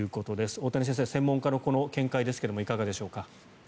大谷先生、専門家の見解はいかがでしょうか。